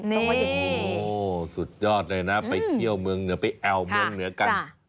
แต่ว่าสุดยอดเลยนะไปเที่ยวเมืองเหนือไปแอวเมืองเหนือกัน